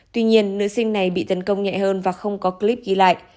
tuy nhiên nữ sinh này bị tấn công nhẹ hơn và không có clip ghi lại